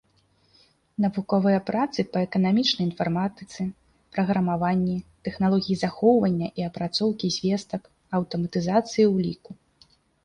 Навуковыя працы па эканамічнай інфарматыцы, праграмаванні, тэхналогіі захоўвання і апрацоўкі звестак, аўтаматызацыі ўліку.